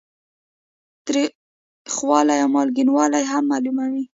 تریخوالی او مالګینوالی هم معلوموي.